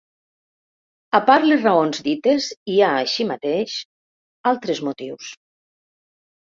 A part les raons dites hi ha, així mateix, altres motius.